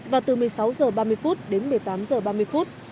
và từ một mươi sáu giờ ba mươi phút đến một mươi tám giờ ba mươi phút